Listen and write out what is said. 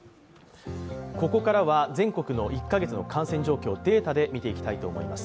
ここからは全国の１カ月の感染状況、データで見ていきたいと思います。